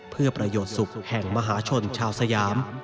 เพื่อประโยชน์สุขแห่งมหาชนชาวสยาม